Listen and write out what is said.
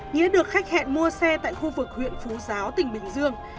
nghĩa được khách hẹn mua xe tại khu vực huyện phú giáo tỉnh bình dương